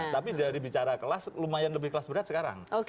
tapi dari bicara kelas lumayan lebih kelas berat sekarang